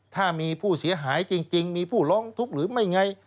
ถ้ามีผู้เสียหายจริงมีผู้ร้องทุกข์หรือไม่ไง